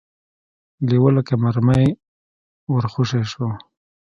لېوه لکه مرمۍ ور خوشې شو.